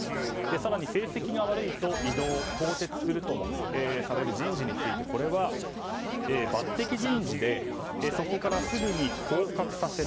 更に、成績が悪いと異動、更迭するともされる人事について、これは抜擢人事でそこからすぐに降格させる。